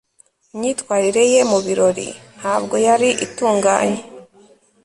imyitwarire ye mu birori ntabwo yari itunganye